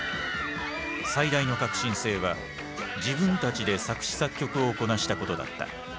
最大の革新性は自分たちで作詞作曲をこなしたことだった。